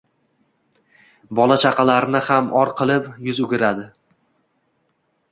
Bola-chaqalari ham or qilib, yuz o’giradi.